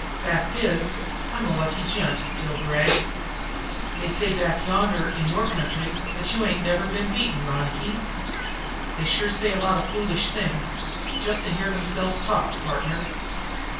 Fact is I'm a lucky gent, Bill Gregg." "They say back yonder in your country that you ain't never been beaten, Ronicky." "They sure say a lot of foolish things, just to hear themselves talk, partner.